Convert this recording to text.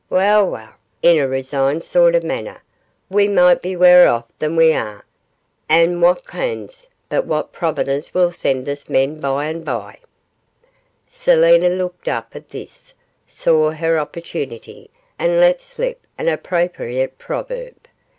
Weel, weel,' in a resigned sort of a manner, 'we micht be waur off than we are, an' wha kens but what Providence will send us men by and bye?' Selina looked up at this, saw her opportunity, and let slip an appropriate proverb.